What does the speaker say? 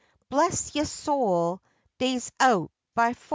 Bless yo' soul, dey's out by fo'.